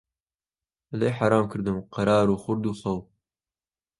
لێی حەرام کردم قەرار و خورد و خەو